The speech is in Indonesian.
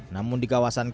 namun di kawasan kampung